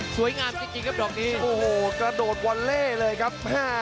สวยงามจริงจริงครับดอกนี้โอ้โหกระโดดเลยครับ